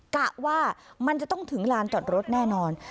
กะว่ามันจะต้องถึงลานจอดรถแน่นอน